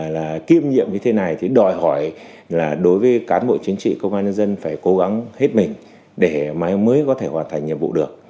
là kiêm nhiệm như thế này thì đòi hỏi là đối với cán bộ chính trị công an nhân dân phải cố gắng hết mình để mới có thể hoàn thành nhiệm vụ được